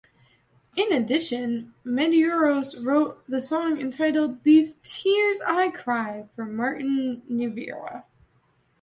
In addition, Medeiros wrote the song entitled "These Tears I Cry" for Martin Nievera.